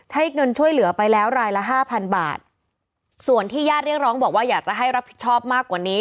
ให้เงินช่วยเหลือไปแล้วรายละห้าพันบาทส่วนที่ญาติเรียกร้องบอกว่าอยากจะให้รับผิดชอบมากกว่านี้